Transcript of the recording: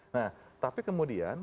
nah tapi kemudian